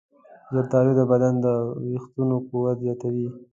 زردالو د بدن د ویښتانو قوت زیاتوي.